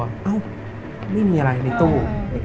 ไม่มีอะไรในตู้